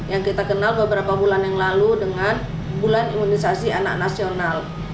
yang kita kenal beberapa bulan yang lalu dengan bulan imunisasi anak nasional